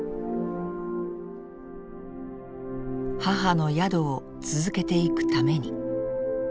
母の宿を続けていくために。